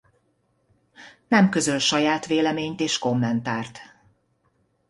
Nem közöl saját véleményt és kommentárt.